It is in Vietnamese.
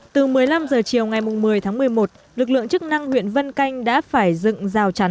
từ một mươi năm h chiều ngày một mươi tháng một mươi một lực lượng chức năng huyện vân canh đã phải dựng rào chắn